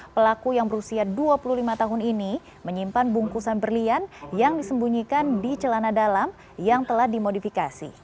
pelaku yang berusia dua puluh lima tahun ini menyimpan bungkusan berlian yang disembunyikan di celana dalam yang telah dimodifikasi